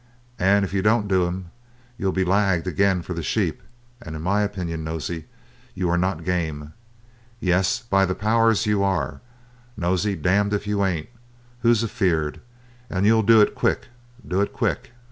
And if you don't do him you'll be lagged again for the sheep, and in my opinion, Nosey, you are not game. Yes, by the powers, you are, Nosey, damned if you ain't. Who's afeered? And you'll do it quick do it quick.